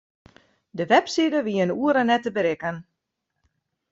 De webside wie in oere net te berikken.